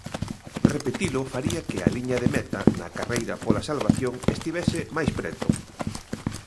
Repetilo faría que a liña de meta, na carreira pola salvación, estivese máis preto.